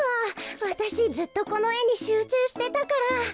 わたしずっとこのえにしゅうちゅうしてたから。